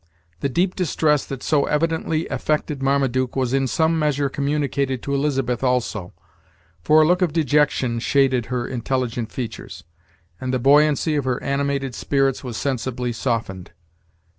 The deep distress that so evidently affected Marmaduke was in some measure communicated to Elizabeth also; for a look of dejection shaded her intelligent features, and the buoyancy of her animated spirits was sensibly softened.